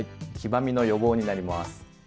黄ばみの予防になります。